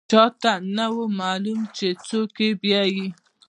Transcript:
چا نه و معلوم چې څوک یې بیايي.